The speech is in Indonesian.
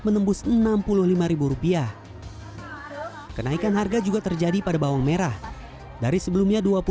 menembus enam puluh lima rupiah kenaikan harga juga terjadi pada bawang merah dari sebelumnya